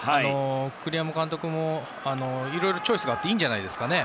栗山監督もいろいろチョイスがあっていいんじゃないですかね。